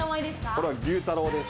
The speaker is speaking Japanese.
これは牛太郎です